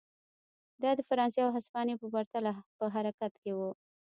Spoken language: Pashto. دا د فرانسې او هسپانیې په پرتله په حرکت کې و.